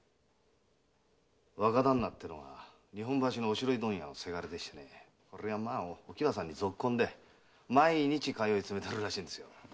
若旦那ってのは日本橋の白粉問屋のせがれでお喜和さんにゾッコンで毎日通い詰めてるらしいんですよ。